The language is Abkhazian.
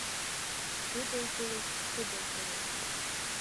Сгәыдылкылеит, схыдылкылеит.